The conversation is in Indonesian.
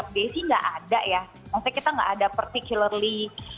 maksudnya kita nggak ada particularly